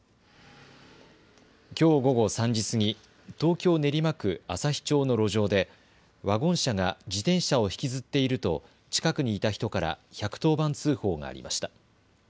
きょう午後３時過ぎ東京練馬区旭町の路上でワゴン車が自転車を引きずっていると近くにいた人から１１０番通報がありました。